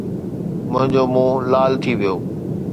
منهنجو منهن لال ٿي ويو